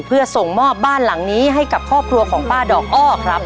เพื่อส่งมอบบ้านหลังนี้ให้กับครอบครัวของป้าดอกอ้อครับ